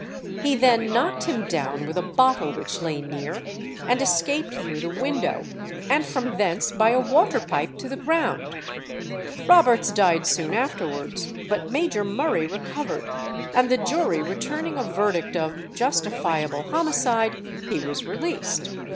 He then knocked him down with a bottle which lay near, and escaped through the window, and from thence by a water pipe to the ground. Roberts died soon afterwards, but Major Murray recovered, and the jury returning a verdict of "Justifiable Homicide," he was released.